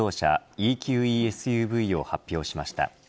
ＥＱＥＳＵＶを発表しました。